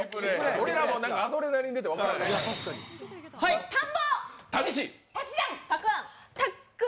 俺らもアドレナリン出て分からへん。